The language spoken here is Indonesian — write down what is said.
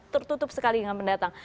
tertutup sekali dengan pendatang